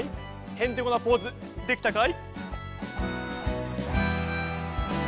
ヘンテコなポーズできたかい？